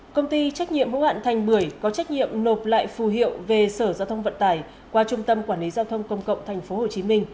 công ty trách nhiệm hữu hạn thành bưởi có trách nhiệm nộp lại phù hiệu về sở giao thông vận tải qua trung tâm quản lý giao thông công cộng tp hcm